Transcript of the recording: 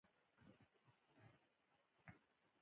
صحرا وچه ده